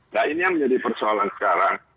nah ini yang menjadi persoalan sekarang